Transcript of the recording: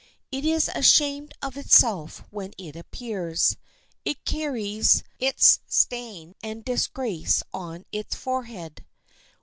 It is ashamed of it itself when it appears. It carries its stain and disgrace on its forehead.